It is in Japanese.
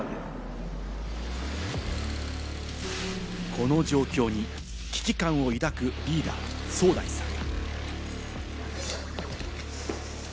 この状況に危機感を抱くリーダー・ソウダイさん。